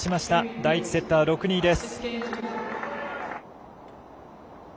第１セットは６‐２です。